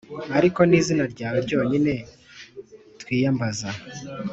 ariko ni izina ryawe ryonyine twiyambaza.